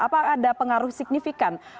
apa ada pengaruh signifikan